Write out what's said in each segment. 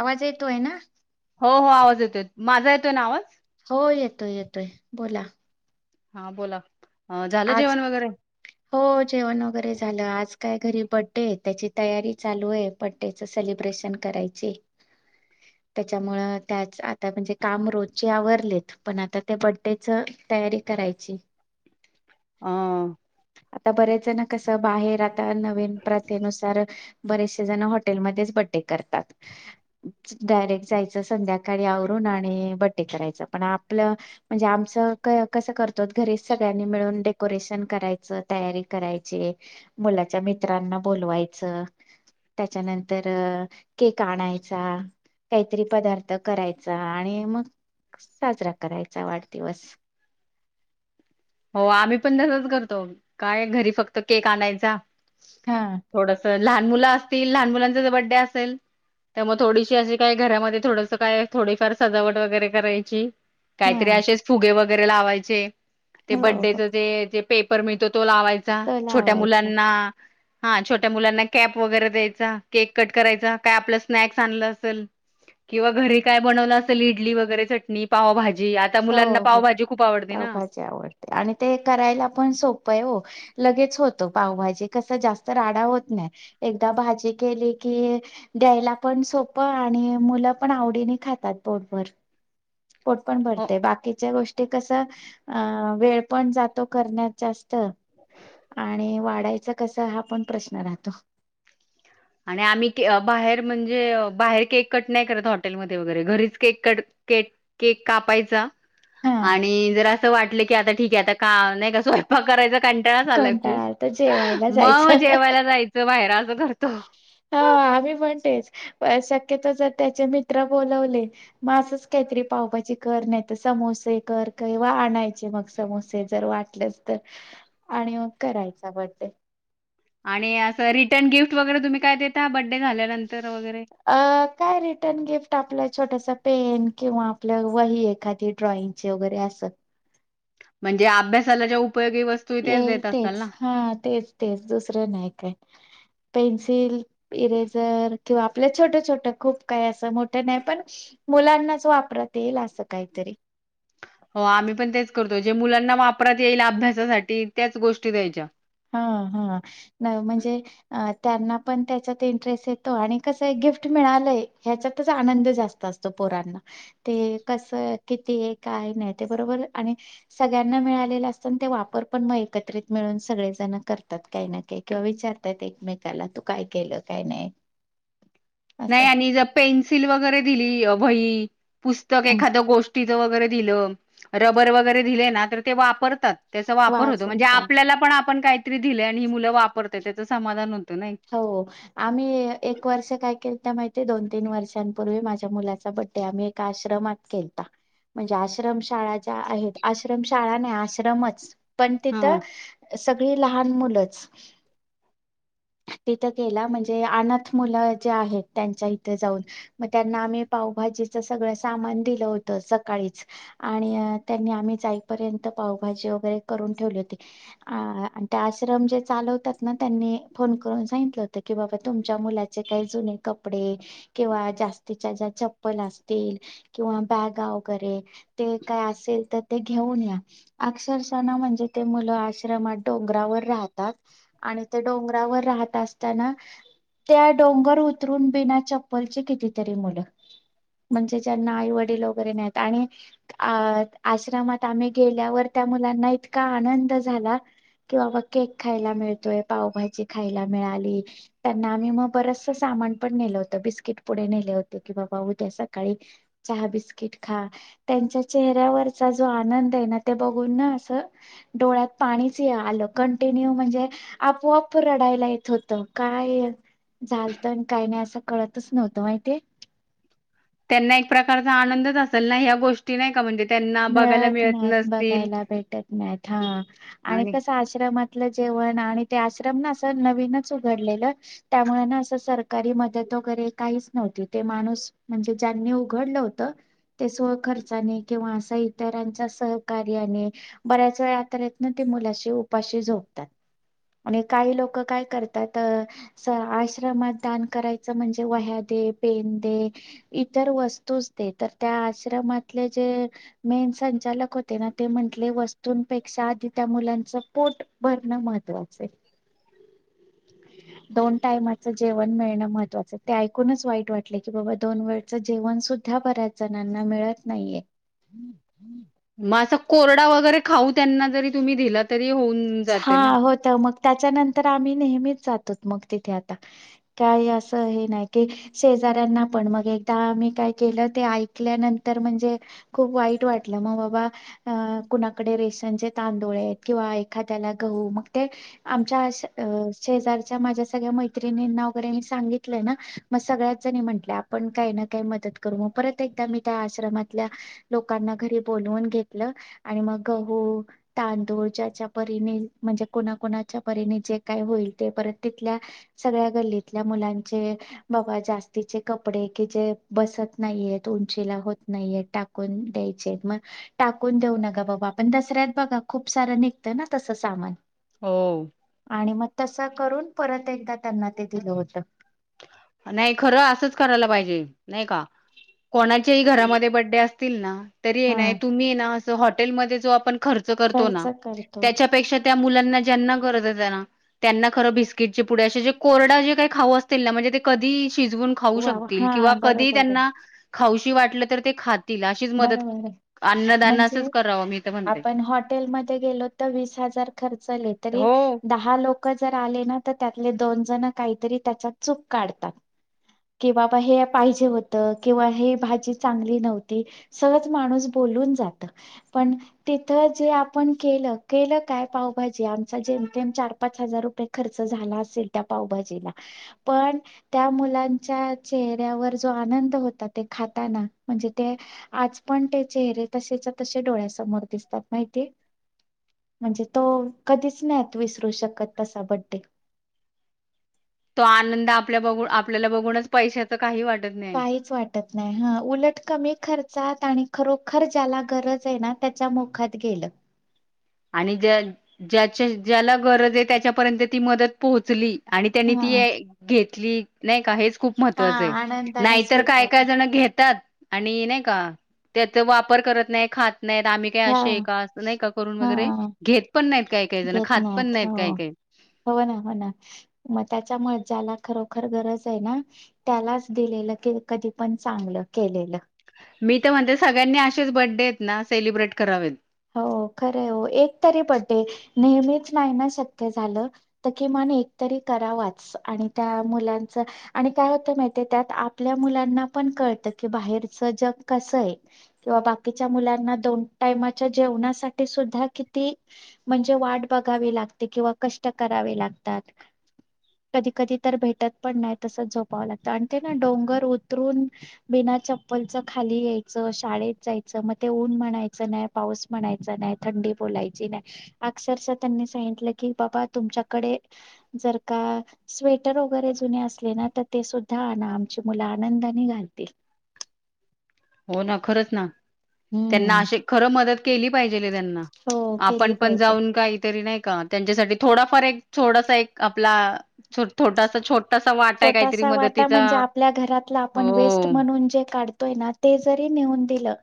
आवाज येतो आहे ना हो हो आवाज माझा येतो ना आवाज हो येतोय येतोय बोला हा बोला अ झालं आज जेवण वगैरे हो जेवण वगैरे झालं आज काय घरी बर्थडे त्याची तयारी चालू आहे बर्थडे सेलिब्रेशन करायची ह त्याच्यामुळे त्याच आता म्हणजे काम रोजचे आवरलेत पण आता ते बर्थडे ची तयारी करायची हा आता बरेच ना कसं बाहेर आता नवीन प्रथेनुसार बरेचसे जण हॉटेलमध्येच बर्थडे करतात डायरेक्ट जायचं संध्याकाळी आवरून आणि बर्थडे करायच. पण आपलं म्हणजे आमच कस करतो घरी सग ळ्यानी मिळून. डेकोरेशन करायचं. तयारी करायची. मुलाच्या मित्रांना बोलवायचं. त्याच्यानंतर केक आणायचा. काहीतरी पदार्थ करायचा आणि मग. साजरा करायचा वाढदिवस. हो आम्ही पण तसच करतो. काय घरी फक्त केक आणायचा हा थोडस लहान मुलं असतील. लहान मुलांचा जर बर्थडे असेल. त्यामुळे थोडीशी अशी काय घरामध्ये थोडस काय थोडीफार सजावट वगैरे करायची. काहीतरी हा असेच फुगे वगैरे लावायचे. ते हो बर्थडे हो च ते पेपर मिळतो. तो लावायचा. तो छोट्या लावायचा मुलांना. हा छोट्या मुलांना कॅप वगैरे द्यायचा केक कट करायचा. काय आपला स्नॅक्स आणलं असेल. किंवा घरी काय बनवलं असेल. इडली वगैरे चटणी पावभा जी. आता हो मुलांना हो पावभाजी खूप आवडती ना. पावभाजी आवडते आणि ते करायला पण सोपं आहे हो. लगेच होतं पावभाजी कस जास्त राडा होत. एक भाजी केली की. द्यायला पण सोप. आणि मुलं पण आवडीने खातात पोटर-पोट पण भरत. हो. ते बाकीच्या गोष्टी कस अ वेळ पण जातो. करण्यात जास्त. आणि वाढायच कस हा पण प्रश्न राहतो. आणि आम्ही बाहेर म्हणजे. बाहेर केक कट नाही करत हॉटेलमध्ये वगैरे घरीच केक कट. के केक कापायचा. हा आणि जर असं वाटलं की आता ठीक आहे. आता का नाही का स्वयंपाक करायच. कंटाळास आलाय खूप कंटाळा आला तर जेवायला मग जायचं जेवायला जायचं बाहेर. अस हा आम्ही म्हणतेच. अ शक्यतो जर त्याचे मित्र बोलवले म असच काहीतरी पावभाजी कर नाही तर स समोसे कर कयवा आणायचे मग समोसे जर वाटलेच तर, आणि मग कराय चा बड्डे. आणि असं रिटर्न गिफ्ट वगैरे तुम्ही काय देता बड अ काय रिटर्न गिफ्ट आपल्या छोटसा पेन किंवा आपल्या वही एखादी ड्रॉइंगची वगैरे असं. म्हणजे अभ्यासाला ज्या उप येईल तेच, हा तेच तेच दुसरं नाही काय पेन्सिल इरेझर किंवा आपल्या छोटं छोटं खूप काही असं मोठं नाही पण मुलांनाच वापरात येईल असं काहीतरी. हो आम्ही पण तेच करतोय, जे मुलांना वापरात येईल अभ्यासासाठी त्याच गोष्टी द्यायच्या. हा हा, नाय म्हणजे अ त्यांना पण त्याच्यात इंटरेस्ट येतो आणि कसंय गिफ्ट मिळालंय ह्याच्यातच आनंद जास्त असतो, पो पोरांना, ते कसं किती हाय, काय नाही ते बरोबर आणि सगळ्यांना मिळाले ल असतं, अन ते वापर पण मग एकत्रित मिळून सगळे त्यांना करतात काही ना काही, किंवा विचारतात एकमेकाला तू काय केलं काय नाही. असं. नाही आणि जर पेन्सिल वगैरे दिली वही, पुस्तक हं. एखादं गोष टीचं वगैरे दिलं, रबर वगैरे दिले ना तर ते वापरतात. त्याचा वापर होतो, वाचून म्हणजे का आपल्याला पण आपण काहीतरी दिलंय आणि ही मुलं वापरतेत त्याचं समाधान होत हो, आम्ही ए एक वर्ष काय केलतं माहिती, दोन तीन वर्षांपूर्वी माझ ज्या मुलाचा बड्डे आम्ही एका आश्रमात केलता, म्हणजे आश्रम शाळा ज्या आहेत, आश्रमाशाळा नाही आश्रमच, पण तिथं हा सगळी लहान मुलंच. तिथं केला म्हणजे. अनाथ मुलं जी आहेत. त्यांच्या इथे जाऊन मग त्यांच्या आम्ही पाव पावभाजीच सगळ सामान दिलं होत. सकाळीच आणि त्यांनी आम्ही. जाईपर्यंत पावभाजी वगैरे करून ठेवले होते. ते आश्रम जे चालवतात ना. त्यांनी. फोन करून सांगितलं होतं. की बाबा तुमच्या मुलाचे काही जुने कपडे किंवा जास्तीच्या ज्या. चप्पल असतील. किंवा बॅग वगैरे ते काय असेल तर ते घेऊन या. आक्षरशा ना म्हणजे ते मुलं आश्रमात डोंगरावर राहतात. आणि ते डोंगर. राहत असताना. त्या डोंगर उतरून बिना चप्पलचे कितीतरी मुलं. म्हणजे ज्यांना आई वडील वगैरे नाहीत आणि आश्रमात आम्ही गेल्यावर त्या मुलांना इतका आनंद झाला. कि बाबा केक खायला मिळतोय पावभाजी खायला मिळाली. त्यांना आम्ही मग बरचस सामान पण नेलं होतं. बिस्किट पुढे नेले होते. कि बा. बा उद्या सकाळी. चहा बिस्कीट खा. त्यांच्या चेहऱ्यावरचा जो आनंद आहे ना. बगुन ना अस डोळ्यात पाणीच आलं. कंटिन्यू म्हणजे आपोआप. पूर रडायला येत होत काय. झालत आणि काही नाही असं कळतच नव्हतं माहिे त्यांना एक प्रकारचा आनंदच असेल ना. ह्या गोष्टी नाही का म्हणजे. त्यांना बघायला मिळत नाहीत. नसतील बघायला भेटत नाहीत. हा आणि कस आश्रमात. जेवन आणि आश्रम ना नवीनच उघडलेत्यामुळे अस सरकारी मदत. वगैरे काहीच नव्हती. ते माणूस म्हणजे ज्यांनी उघडलं होत. ते स्व खर्चाने किंवा अस. इतरांच्या सहकार्याने बऱ्याच वेळा. तन ते मुलाशी उपाशी झोपतात. आणि काही लोक काय करतात आश्रमात दान करायचं म्हणजे वह्या, पेंढे इतर वस्तूच ते तर त्या आश्रमातले जे, मेन संचालक होते ना ते म्हंटले वस्तूंपेक्षा आधी त्या मुलांच पोट भरणं महत्त्वाचं. ह् दोन टायमाचं जेवण मिळणं महत्वाचं ते ऐकूनच वाईट वाटलं की बाबा दोन वेळचं जेवण सुद्ध तथ बऱ्याच जणांना मिळत नाहीये, मग कोरडा वगैरे खाऊ त्यांना जरी तुम्ही दिला तरी होऊन, हा जाते ना होत मग त्याच्यानंतर आम्ही, नेह जात मग तिथे आता काही अस हे नाही की शेजऱ्यांना पण मग ता मी काय केलं ते ऐकल्यानंतर म्हणजे, खूप वाईट वाटलं मग बाबा अ कुणाकडे रेशनचे तांदुळे आहेत किंवा एक त्याला गहू मग ते आमच्या अ शेजारच्या माझ्या सगळ्या मैत्रिणींना वगैरे मी सांगितय ना मग सगळ्या जणी म्हट आपण काही ना काही मदत करू मग परत एकदा मी त्या आश्रमात. लोकां घरी बोलून घेतलं आणि मग गहू तांदूळ ज्याज्या म्हणजेच्या परीने म्हणजे कुणाकुणाच्या परीन जेकाही होईपर्यंत तिथल्या सगळ्या गल्लीतल्या मुलांचे बा जास्तीचे कपडे कि जे बसत नाहीय उंचीला होत नाहीये, टाकून द्याय मग टाकून देऊ नका बाबा आपण दसऱ्यात बघा खूप सारा ना तसं सामान. हो तस करून परत एकदा त्यांना ते दिलं होत. नाही खरं असंच करायला पाहिजे नाही का? कोणाच्याही घरामध्ये बडडे असतील ना तरी ये हा ना तुम्ही ये ना अस हॉटेलमध्ये जो आपण, खर्च करतो खर्च ना करतो त्याच्या पेक्षा त्या मूल त्यांना गरजेचे आहे ना त्यांना खरं बिस्किटाचे पुडे अशे कोरडे जे खाऊ असतील ना मनजे ते कधी शिजवून खाऊ वा वा, शकतील कि हा कधी बरोबर आहे त्यांना खाऊशी वाटलं तर ते खा बरोबर आहे असंच म्हणजे, करावं मी तर म्हणते आपण हॉटेलमध्ये गेलो तर वीस हजार खर्चले तरी हो दहा लोक लोक जर आले ना तर त्यातले दोन जण काहीतरी त्या चूक काढतात. कि बाबा हे पाहिजे होत किंवा हे भाजी चांगली नव्हती. सहज माणूस बोलून जात पण तिथ जे आपण केलं के काय पावभाजी आम जेमम चार पाच हजार रुपये खर्च झाला असेल त्या पावभाजीला. पण त्या मुलांच्या चेहऱ्यावर जो आनंद होता ते खाताना म्हणजे, ते आज पण त्या चेहरे तसेच्या तसे डोळ्यासमोर दिसतात माहिती आहे. म्हणजे तो कधीच नाहीत विसरू शकत तसा बर्थडे. तो आनंद आपल्या बघून आपल्याला बघूनच पैशाचं काही वाटत. नाही काहीच वाटत नाही ह उलट कमी खर्च आणि खरोखर ज्याला गरज आहे ना त्याच्या मोखात गेलं. आणि ज्या ज्याच्या ज्याला गरज आहे त्याच्यापर्यंत ती मदत पोहोचली. आणि त्यांनी हा ती घेतली नाही का हेच, खूप हा महत्वाचं आहे आनंदाने नाहीतर काय काय स्वीकारलं जण घेतात, आणि नाही का त्याचा वापर करत नाही खात नाहीत आम्ही काही हा असे का नाही का करून वगैरे, हा घेत पण नाहीत काय काय जण घेत खात पण नाहीत हो काय काय जन. हो ना हो ना मग त्याच्यामुळे ज्याला खरोखर गरज आहे ना त्यालाच दिलेलं की कधी पण चांगलं केलेलं. मी तर म्हणते सगळ्यांनी असेच बर्थ डे आहेत ना सेलिब्रेट करावेत. हो खर ओ. एक तरी बडडे नेहमीच नाही ना शक्य झालं तर की ना नाही तरी करावाच आणि त्या मुलाच- आणि काय होत माहितिये का? त्या आपल्या मुलांना- पण कळतं की बाहेरचं जग कसंय किंवा बाकीच्या मुलांना दोन टायमा जेवणासाठी सुद्धा किती म्हणजे वाट बघावी लागते किंवा कष्ट करावे लाग- त्यात. कधी कधी तर भेटत पण नाही तसच झोपावं लागतं आणि ते ना डोंगर उतरून बिना चप्पलच खाली यायच. शाळेत जायच मग ते ऊन म्हणायच नाही- पाऊस म्हणायचा नाही, थंडी बोलायची नाही, अक्षरशः त्यांनी सांगितलं की बाबा तुमच्याकडे- जर का स्वेटर वगैरे जुने असले ना तर ते सुद्धा आणा, आमची मुलं आणा द्या मी घालते. हो ना खरंच ना. त्यांना हम्म अशी खरं मदत केली पाहिजेल त्यांना, हो केली आपण पण पाहिजे जाऊन काहीतरी नाही का त्यांच्यासाठी थोडाफार एक थोडासा एक आपला थोटासा छोट छोटासा वाटा म्हणजे आपल्या घरातला आपण वेस्ट हो. म्हणून जे काढतो- तो ना, तो जरी नेऊन दिलं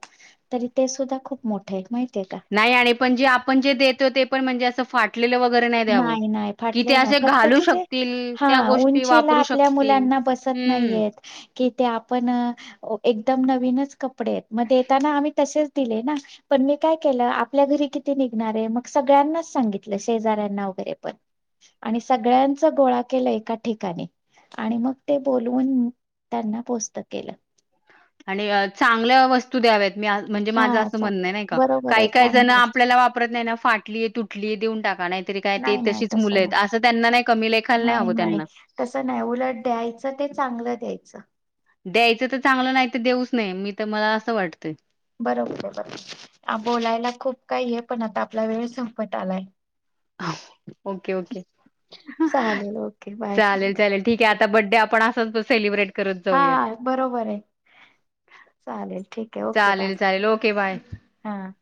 तरी ते सुद्धा खूप मोठ- नाही आणि पण जे आपण जे देतोय ते पण म्हणजे असं फाटलेलं वगैरे द्यावं. नाही नाही कि फाटले ते नाही. असे फक्त, घालू क ज शकतील हा त्या गोष्टी उंचीला वापरू आपल्या शकतील. मुलांना- बसत हम्म. नाहीएत. कि ते आपण अ एकदम नवीनच कपडे आहेत म देताना आम्ही तसेच दिले ना. पण मी काय केलं आपल्या घरी किती निघणार आहे मग सगळ्यांनाच सांगितलं शेजाऱ्यांना वगैरे पण. आणि सगळ्यांच गोळा केल एका ठिकाणी- आणि मग ते बोलवून त्यांना पोस्त केलं. आणि चांगल्या वस्तू द्याव्यात. मी आ म्हणजे माझं हा असं चा म्हणणं नाही का, बरोबर काही आहे काही चांगली जणं गोष्ट आपल्याला वापरत नाही ना फाटली आहे तुटली आहे देऊन टाक [unintelligible] काय ते नाही नाही तशीच मुलं तसं आहेत नाही असं त्यांना नाही. कमी लेखायला नाही हवं त्यांना. च ते चांगलं द्यायचं. द्यायचं तर चांगलं नाही तर देऊच नाही, मी तर मला असं वाटतंय. बरोबर आहे बरोबर. बोलायला खूप काही आहे पण आता आपला वेळ संपत आलाय. Okay okay. चालेल ओके बाय. चालेल चालेल. ठीक आहे. आता बर्थ डे आपण असाच सेलिब्रेट- करत हा जाऊयात. बरोबर आहे. चालेल ठीक आहे ओके चालेल, बाय, चालेल ओके बाय. हा.